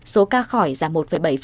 số ca khỏi giảm một bảy